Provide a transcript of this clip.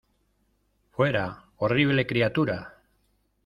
¡ Fuera, horrible criatura!